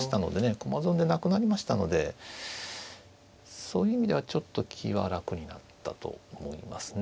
駒損でなくなりましたのでそういう意味ではちょっと気は楽になったと思いますね。